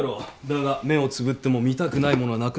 だが目をつぶっても見たくないものはなくならないぞ。